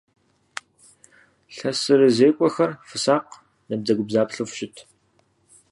ЛъэсырызекӀуэхэр фысакъ, набдзэгубдзаплъэу фыщыт!